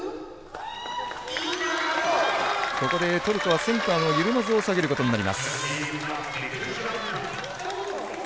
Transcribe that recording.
ここでトルコはセンターのユルマズを下げることになります。